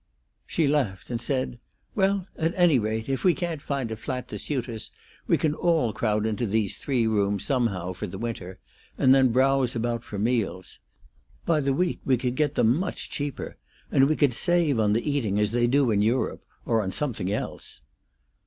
She laughed and said: "Well, at any rate, if we can't find a flat to suit us we can all crowd into these three rooms somehow, for the winter, and then browse about for meals. By the week we could get them much cheaper; and we could save on the eating, as they do in Europe. Or on something else."